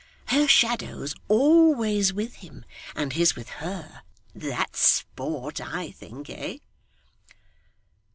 'Her shadow's always with him, and his with her. That's sport I think, eh?